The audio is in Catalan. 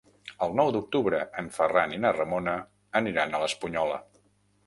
El nou d'octubre en Ferran i na Ramona aniran a l'Espunyola.